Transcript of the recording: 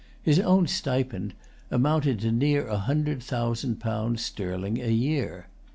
His own stipend amounted to near a hundred thousand pounds sterling a year.